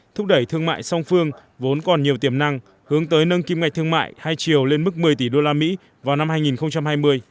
thúc đẩy thương mại song phương vốn còn nhiều tiềm năng hướng tới nâng kim ngạch thương mại hai triệu lên mức một mươi tỷ usd vào năm hai nghìn hai mươi